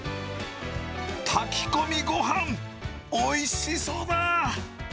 炊き込みごはん、おいしそうだ。